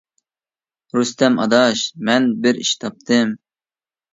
رۇستەم: ئاداش، مەن بىر ئىش تاپتىم!